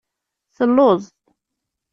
Telluẓ.